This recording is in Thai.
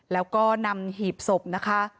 แล้วก็นำหีบศพนะคะ